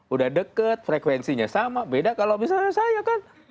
udah deket frekuensinya sama beda kalau misalnya saya kan